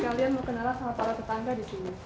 kalian mau kenalan sama para tetangga disini